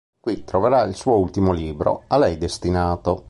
Qui troverà il suo ultimo libro, a lei destinato.